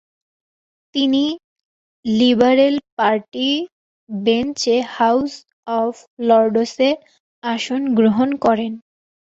তিনি liberal party বেঞ্চে house of লর্ডসে আসন গ্রহণ করেন।